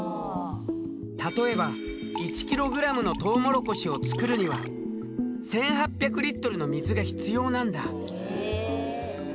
例えば１キログラムのトウモロコシを作るには１，８００リットルの水が必要なんだ。